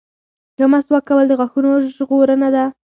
• ښه مسواک کول د غاښونو ژغورنه ده.